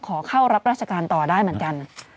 ขอเข้ารับราชการต่อได้เหมือนกัน